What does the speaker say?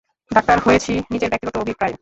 Doctor হয়েছি নিজের ব্যক্তিগত অভিপ্রায়ে।